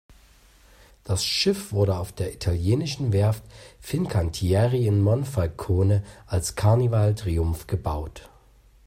Das Schiff wurde auf der italienischen Werft Fincantieri in Monfalcone als "Carnival Triumph" gebaut.